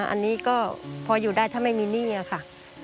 อันนี้ก็พออยู่ได้ถ้าไม่มีหนี้ค่ะ